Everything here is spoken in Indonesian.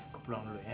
gue pulang dulu ya